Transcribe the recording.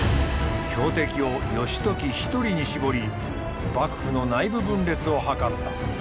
標的を義時一人に絞り幕府の内部分裂を図った。